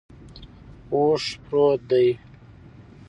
اوښ پروت دے